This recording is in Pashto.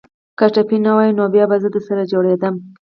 که ټپي نه واى نو بيا به زه درسره جوړېدم.